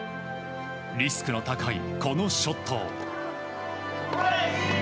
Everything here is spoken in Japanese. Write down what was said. リスクの高いこのショットを。